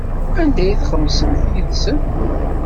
Anda ay txemmsemt yid-sen?